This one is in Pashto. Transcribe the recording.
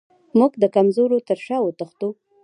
موږ د کمزورو تر شا وتښتو.